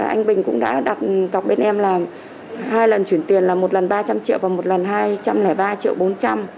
anh bình cũng đã đặt cọc bên em là hai lần chuyển tiền là một lần ba trăm linh triệu và một lần hai trăm linh ba triệu bốn trăm linh